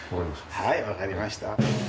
はいわかりました。